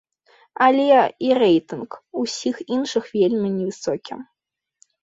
Але і рэйтынг усіх іншых вельмі невысокі.